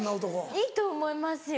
いいと思いますよ。